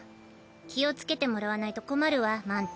気をつけてもらわないと困るわまん太。